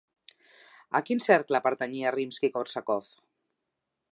A quin cercle pertanyia Rimski-Kórsakov?